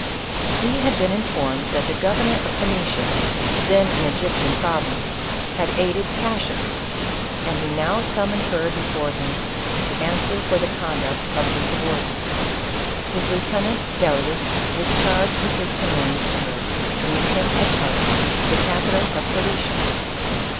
He had been informed that the governor of Phoenicia, then an Egyptian province, had aided Cassius, and he now summoned her before him, to answer for the conduct of her subordinate. His • lieutenant, Dellius, was charged with his commands to her, to meet him at Tarsus, the capital of Cilicia.